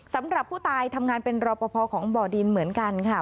สำหรับผู้ตายทำงานเป็นรอปภของบ่อดินเหมือนกันค่ะ